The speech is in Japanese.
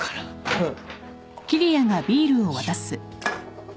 うん。